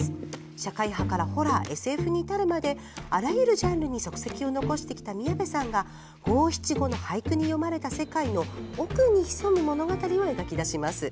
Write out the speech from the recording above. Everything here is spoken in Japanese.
社会派からホラーＳＦに至るまであらゆるジャンルに足跡を残してきた宮部さんが五七五の俳句に詠まれた世界の奥に潜む物語を描き出します。